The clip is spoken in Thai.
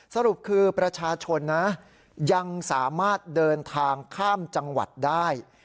สรุปคือประชาชนนะยังสามารถเดินทางข้ามจังหวัดได้